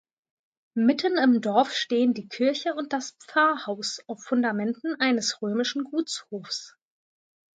Mitten im Dorf stehen die Kirche und das Pfarrhaus auf Fundamenten eines römischen Gutshofs.